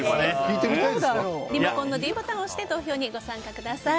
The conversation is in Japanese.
リモコンのｄボタンを押して投票にご参加ください。